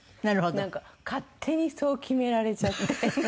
なんか勝手にそう決められちゃって。